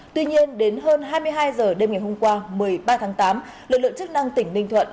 tuy nhiên đến hơn hai mươi hai h đêm ngày hôm qua một mươi ba tháng tám lực lượng chức năng tỉnh ninh thuận